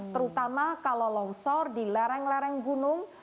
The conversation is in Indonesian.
terutama kalau longsor di lereng lereng gunung